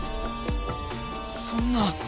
そんな！